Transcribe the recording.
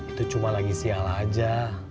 itu cuma lagi sial aja